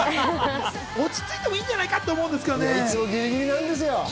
落ち着いてもいいんじゃないかと思うんですけどね。